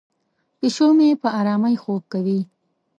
پیشو مې په آرامۍ خوب کوي.